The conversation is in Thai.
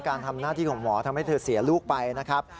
การทำหน้าที่ของหมอทำให้เธอเสียลูกไปนะครับ